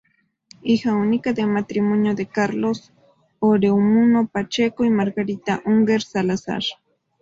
Hija única del matrimonio de Carlos Oreamuno Pacheco y Margarita Unger Salazar.